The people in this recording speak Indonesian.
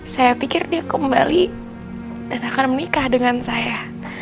saya pikir dia kembali dan akan menikah dengan saya